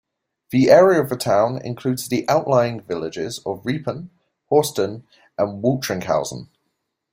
The area of the town includes the outlying villages of Riepen, Horsten and Waltringhausen.